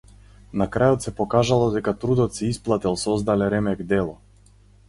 На крајот се покажало дека трудот се исплател создале ремек дело!